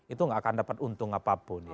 itu gak akan dapat untung apapun